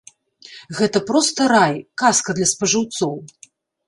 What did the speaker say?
Гэта проста рай, казка для спажыўцоў.